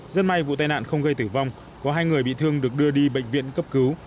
rất may vụ tai nạn không gây tử vong có hai người bị thương được đưa đi bệnh viện cấp cứu